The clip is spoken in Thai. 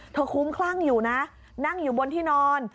คุ้มคลั่งอยู่นะนั่งอยู่บนที่นอน